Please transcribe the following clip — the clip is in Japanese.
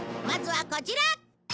まずはこちら！